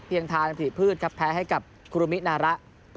เพียงทานพลิกพืชครับแพ้ให้กับคุรมินาระ